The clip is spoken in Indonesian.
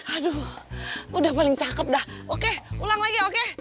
aduh udah paling takep dah oke ulang lagi oke